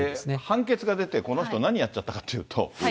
判決が出て、この人何やっちゃったかというと。